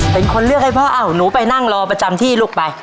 เป็นคนเลือกให้พ่ออ้าวหนูไปนั่งรอประจำที่ลูกไป